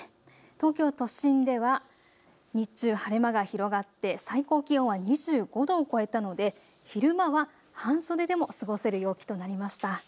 東京都心では日中、晴れ間が広がって最高気温は２５度を超えたので昼間は半袖でも過ごせる陽気となりました。